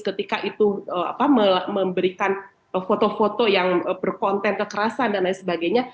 ketika itu memberikan foto foto yang berkonten kekerasan dan lain sebagainya